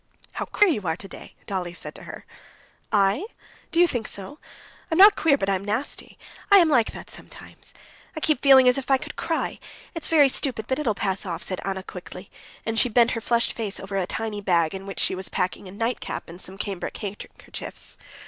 "How queer you are today!" Dolly said to her. "I? Do you think so? I'm not queer, but I'm nasty. I am like that sometimes. I keep feeling as if I could cry. It's very stupid, but it'll pass off," said Anna quickly, and she bent her flushed face over a tiny bag in which she was packing a nightcap and some cambric handkerchiefs.